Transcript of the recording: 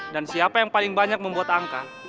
dan siapa yang paling banyak membuat angka